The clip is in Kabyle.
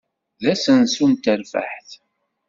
D asensu n terfeht.